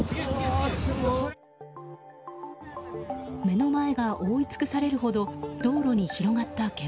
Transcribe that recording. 目の前が覆い尽くされるほど道路に広がった煙。